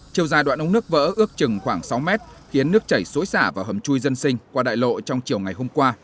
chiều dài đoạn ống nước vỡ ước chừng khoảng sáu mét khiến nước chảy xối xả vào hầm chui dân sinh qua đại lộ trong chiều ngày hôm qua